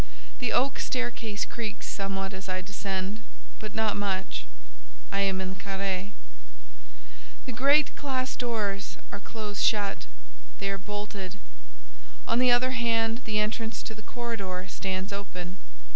The oak staircase creaks somewhat as I descend, but not much:—I am in the carré. The great classe doors are close shut: they are bolted. On the other hand, the entrance to the corridor stands open.